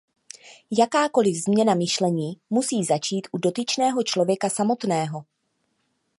Jakákoli změna myšlení musí začít u dotyčného člověka samotného.